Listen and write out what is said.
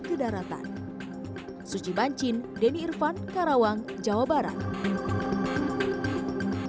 ke daratan suci banjir deni irvan karawang jawa barat hai hai hai hai hai hai hai hai hai hai hai hai